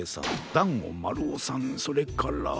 だんごまるおさんそれから。